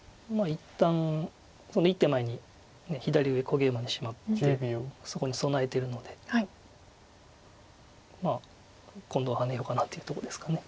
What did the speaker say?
一旦その１手前に左上小ゲイマにシマってそこに備えてるので今度はハネようかなというとこですか。